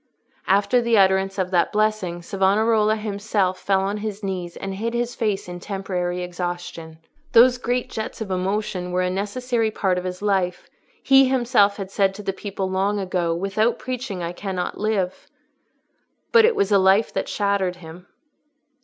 After the utterance of that blessing, Savonarola himself fell on his knees and hid his face in temporary exhaustion. Those great jets of emotion were a necessary part of his life; he himself had said to the people long ago, "Without preaching I cannot live." But it was a life that shattered him.